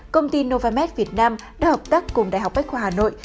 công ty novamed việt nam đã hợp tác cùng đại học bách khoa hà nội